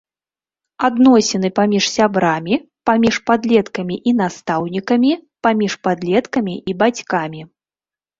Адносіны паміж сябрамі, паміж падлеткамі і настаўнікамі, паміж падлеткамі і бацькамі.